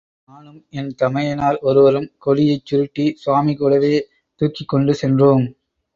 நானும் என் தமையனார் ஒருவரும், கொடியைச் சுருட்டி சுவாமி கூடவே தூக்கிக் கொண்டு சென்றோம்.